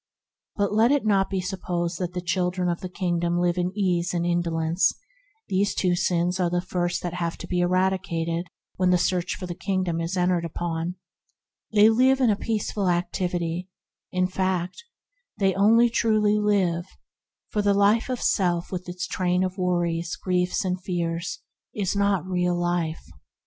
But let it not be supposed that the chil dren of the Kingdom live in ease and indo lence, for these two sins are the first that have to be eradicated when the search for the Kingdom is entered upon; they live in a peaceful activity; in fact, they only truly live, for the life of self with its train of worries, griefs, and fears, is not real life.